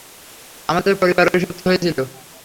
আমাদের পরিবার অভিশপ্ত হয়েছিল।